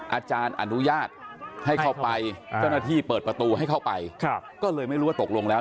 อาจารย์อนุญาตให้เข้าไปเจ้าหน้าที่เปิดประตูให้เข้าไปก็เลยไม่รู้ว่าตกลงแล้ว